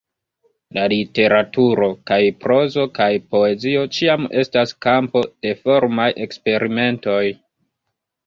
La literaturo – kaj prozo kaj poezio – ĉiam estas kampo de formaj eksperimentoj.